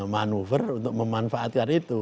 manuver untuk memanfaatkan itu